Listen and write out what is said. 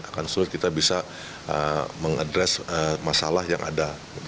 akan sulit kita bisa mengadres masalah yang ada